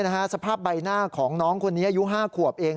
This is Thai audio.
สภาพใบหน้าของน้องคนนี้อายุ๕ขวบเอง